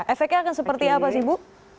efeknya akan seperti apa sih bu